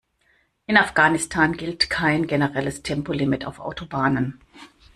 In Afghanistan gilt kein generelles Tempolimit auf Autobahnen.